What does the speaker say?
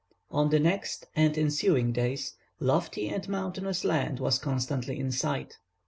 On the next and ensuing days, lofty and mountainous land was constantly in sight.